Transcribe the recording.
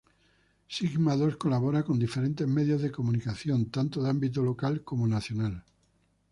Sigma Dos colabora con diferentes medios de comunicación, tanto de ámbito local como nacional.